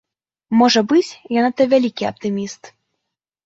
Можа быць, я надта вялікі аптыміст.